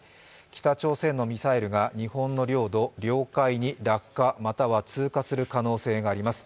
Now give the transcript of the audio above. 北朝鮮のミサイルが日本の領土・領海に落下、または通過する可能性があります。